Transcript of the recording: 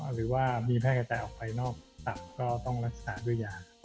หรือว่ามีแพร่กระจายออกไปนอกตับก็ต้องรักษาด้วยยา